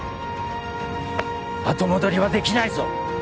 後戻りはできないぞ。